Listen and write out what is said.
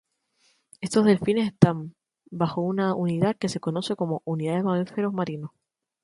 Estos delfines están bajo una Unidad que se conoce como "Unidad de Mamíferos Marinos".